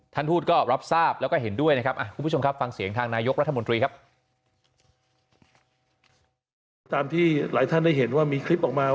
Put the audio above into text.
ท่านทูตก็รับทราบแล้วก็เห็นด้วยนะครับ